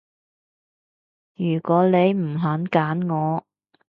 如果你唔肯揀我